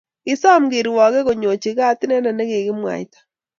kisom kirwoke konyoichi kaat inendet ne kikimwaita.